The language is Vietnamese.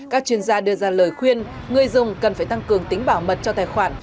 các chuyên gia đưa ra lời khuyên người dùng cần phải tăng cường tính bảo mật cho tài khoản